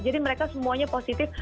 jadi mereka semuanya positif